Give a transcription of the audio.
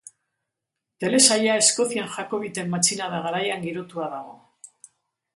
Telesaila Eskozian Jakobiten matxinada garaian girotua dago.